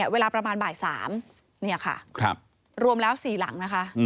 เวลาประมาณบ่าย๓เนี่ยค่ะรวมแล้ว๔หลังนะคะ